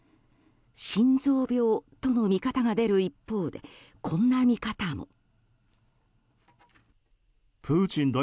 心臓病との見方が出る一方でこんな見方も。